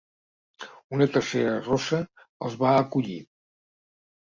Una tercera rossa els va acollir.